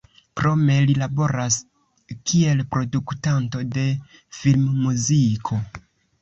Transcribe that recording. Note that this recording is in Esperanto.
Krome li laboras kiel produktanto de filmmuziko.